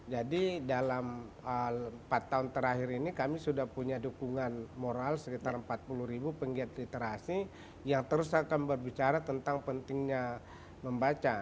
jadi dalam empat tahun terakhir ini kami sudah punya dukungan moral sekitar empat puluh ribu penggiat literasi yang terus akan berbicara tentang pentingnya membaca